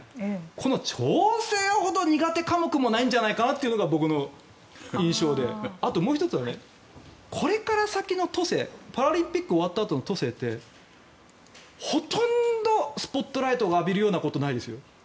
この調整ほど苦手科目もないんじゃないかなっていうのが僕の印象であともう１つはこれから先の都政パラリンピック終わったあとの都政ってほとんどスポットライトが浴びるようなことないですよ。